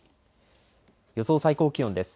予想最高気温です。